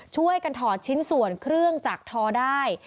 ช่วยกันถอดชิ้นส่วนเครื่องจักรทอได้